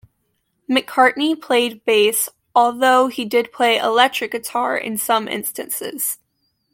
McCartney played bass although he did play electric guitar in some instances.